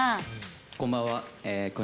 こんばんは。